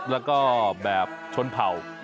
แล้วก็แบบชนเผ่า